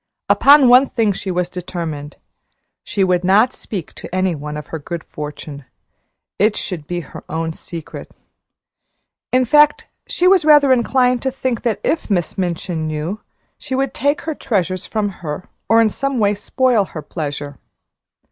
Upon one thing she was determined. She would not speak to any one of her good fortune it should be her own secret; in fact, she was rather inclined to think that if Miss Minchin knew, she would take her treasures from her or in some way spoil her pleasure.